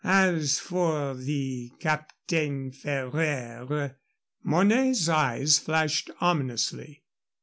As for the Capitaine Ferraire " Mornay's eyes flashed ominously.